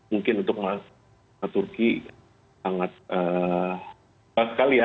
mungkin untuk mas turki sangat pas sekali ya